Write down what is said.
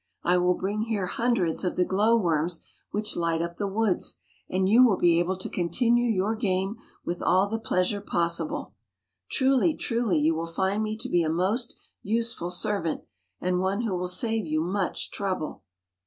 I will bring here hundreds of the glow worms which light up the woods, and you will be able to continue your game with all the pleasure possible. Truly, truly, you will find me to be a most useful servant, and one who will save you much trouble."